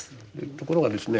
ところがですね